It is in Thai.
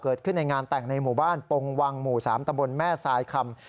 เกิดขึ้นในงานแต่งในหมู่บ้านปงวังหมู่๓ตะบนแม่ทรายคำ